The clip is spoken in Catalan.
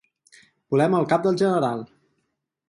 Volem el cap del general.